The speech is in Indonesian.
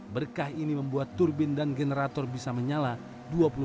berkah ini membuat turbin dan generator bisa menyala dua puluh empat jam penuh